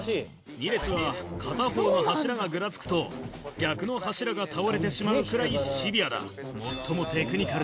２列は片方の柱がぐらつくと逆の柱が倒れてしまうくらいシビアだ。